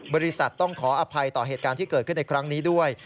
บริษัทต้องขออภัยต่อเหตุการณ์ที่เกิดขึ้นในครั้งนี้ด้วย